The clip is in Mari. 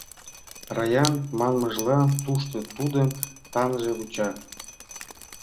Раян манмыжла, тушто тудым таҥже вуча.